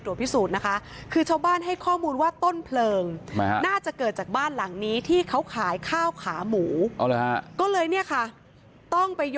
ว่าใช่ต้นเผลอจริงหรือไม่